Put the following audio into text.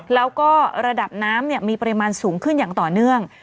แล้วก็ระดับน้ำมีปริมาณสูงขึ้นอย่างต่อเนื่อง